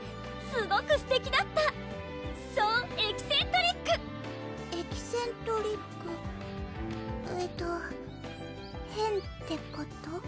すごくすてきだったソーエキセントリックエキセントリックえっと変ってこと？